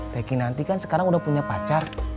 teki nanti kan sekarang udah punya pacar